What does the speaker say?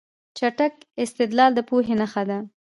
چټک استدلال د پوهې نښه ده.